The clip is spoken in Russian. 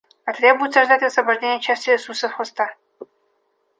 Потребуется ждать высвобождения части ресурсов хоста